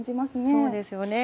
そうですよね。